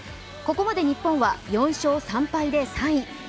ここまで日本は４勝３敗で３位。